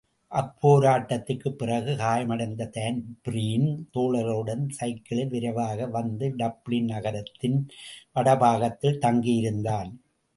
அப்போராட்டத்திற்குப் பிறகு காயமடைந்த தான்பிரீன் தோழர்களுடன் சைக்கிளில் விரைவாக வந்து டப்ளின் நகரத்தின் வடபாகத்தில் தங்கியிருந்தான்.